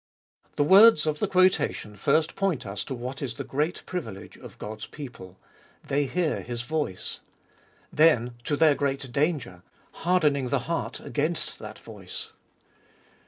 The words of the quotation first point us to what is the great privilege of God's people; 116 abe Dolieet of ail they hear His voice ; then, to their great danger, hardening the heart against that voice.